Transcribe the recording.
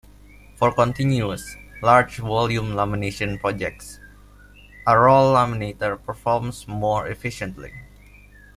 For continuous, large-volume lamination projects, a roll laminator performs more efficiently.